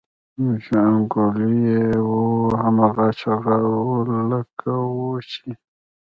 چې انګوللي یې وو هماغه چغال و لکه وو چې.